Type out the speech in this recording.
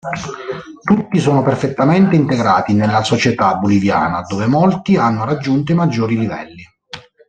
Tutti sono perfettamente integrati nella società boliviana, dove molti hanno raggiunto i maggiori livelli.